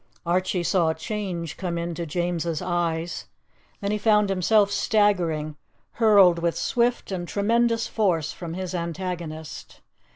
Archie saw a change come into James's eyes; then he found himself staggering, hurled with swift and tremendous force from his antagonist.